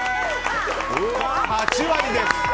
８割です。